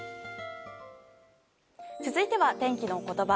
続いては天気のことば。